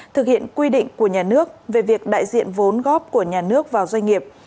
thực hiện quy định của nhà nước về việc đại diện vốn góp của nhà nước vào doanh nghiệp